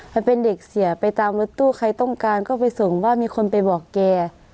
ถ้าเป็นเด็กเสียไปตามรถตู้ใครต้องการก็ไปส่งว่ามีคนไปบอกแก